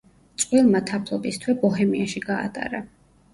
წყვილმა თაფლობის თვე ბოჰემიაში გაატარა.